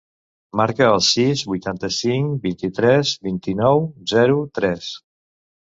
Marca el sis, vuitanta-cinc, vint-i-tres, vint-i-nou, zero, tres.